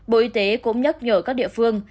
bộ y tế cũng nhắc nhở các địa phương